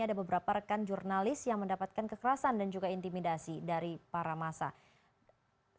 ada beberapa rekan jurnalis yang mendapatkan kekerasan dan juga intimidasi dari para masyarakat